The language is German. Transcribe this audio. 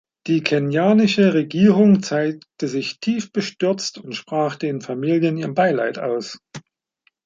Die kenianische Regierung zeigte sich tief bestürzt und sprach den Familien ihr Beileid aus.